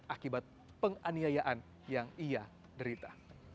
akibat penganiayaan yang ia derita